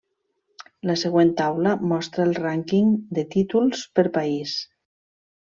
La següent taula mostra el Rànquing de títols per país.